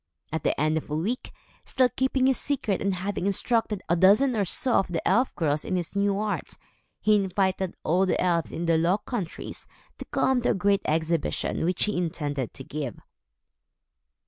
At the end of a week, still keeping his secret and having instructed a dozen or so of the elf girls in his new art, he invited all the elves in the Low Countries to come to a great exhibition, which he intended to give.